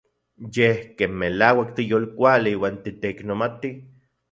Yej ken melauak tiyolkuali uan titeiknomati.